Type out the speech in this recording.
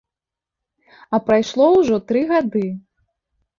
А прайшло ўжо тры гады!